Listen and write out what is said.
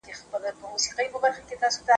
معلومات په سمه توګه تبادله کړئ.